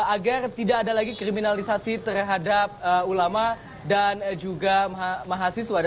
agar tidak ada lagi kriminalisasi terhadap ulama dan juga mahasiswa